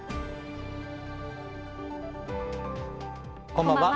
こんばんは。